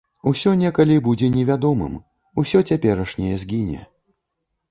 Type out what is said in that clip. Усё некалі будзе невядомым, усё цяперашняе згіне.